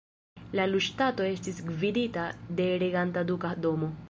La Lu-ŝtato estis gvidita de reganta duka domo.